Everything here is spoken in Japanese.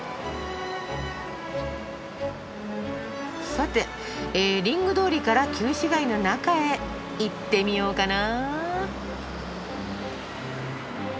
さてえリング通りから旧市街の中へ行ってみようかな。